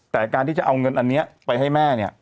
แต่การที่จะเอาเงินอันนี้ไปให้แม่เนี่ย